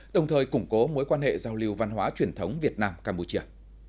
đồng thời củng cố mối quan hệ giao lưu văn hóa truyền thống việt nam campuchia